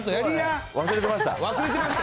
忘れてました。